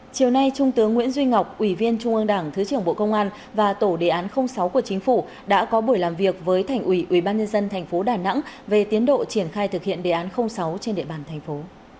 chiều nay trung tướng nguyễn duy ngọc ủy viên trung ương đảng thứ trưởng bộ công an và tổ đề án sáu của chính phủ đã có buổi làm việc với thành ủy ubnd tp đà nẵng về tiến độ triển khai thực hiện đề án sáu trên địa bàn thành phố